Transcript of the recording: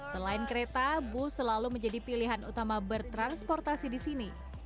selain kereta bus selalu menjadi pilihan utama bertransportasi di sini